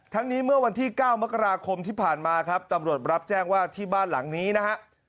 นี้เมื่อวันที่๙มกราคมที่ผ่านมาครับตำรวจรับแจ้งว่าที่บ้านหลังนี้นะฮะ